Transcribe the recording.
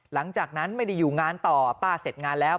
หลังจากนั้นไม่ได้อยู่งานต่อป้าเสร็จงานแล้ว